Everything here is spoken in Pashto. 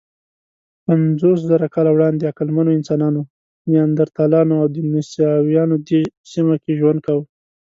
پنځوسزره کاله وړاندې عقلمنو انسانانو، نیاندرتالانو او دنیسووایانو دې سیمه کې ژوند کاوه.